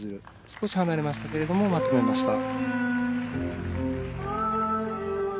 少し離れましたけれどもまとめました。